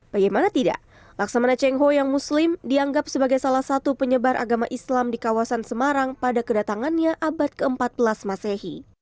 bagaimana tidak laksamana cengho yang muslim dianggap sebagai salah satu penyebar agama islam di kawasan semarang pada kedatangannya abad ke empat belas masehi